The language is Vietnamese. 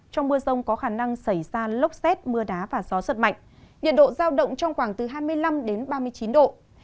trong mưa rông có khả năng xảy ra lốc xét mưa đá và gió giật mạnh nhiệt độ giao động trong khoảng từ hai mươi năm đến ba mươi chín độ